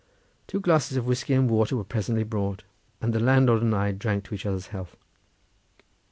Two glasses of whiskey and water were presently brought, and the landlord and I drank to each other's health.